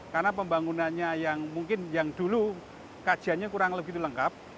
karena pembangunannya yang mungkin yang dulu kajiannya kurang lebih lengkap